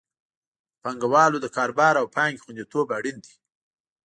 د پانګوالو د کاروبار او پانګې خوندیتوب اړین دی.